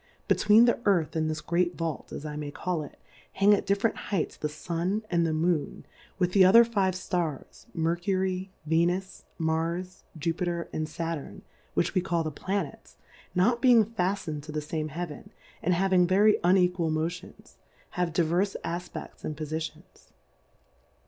Between the Earth and this great Vault (as I may call it) hang at different Heights th^Stiny and the Moou^ with the other five Stars, Mercury^ Ventis^ Marsj Jupiter and Sattirn^ which we call tho Planets, not being faftned to the fame Heaven, and having very unequal Mo tions, have divers Afpefts and Pofitions.